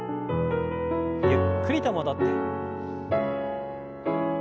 ゆっくりと戻って。